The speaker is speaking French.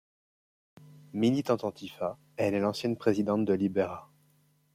Militante antimafia, elle est l'ancienne président de Libera.